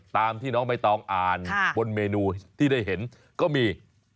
ตามที่น้องใบตองอ่านบนเมนูที่ได้เห็นก็มี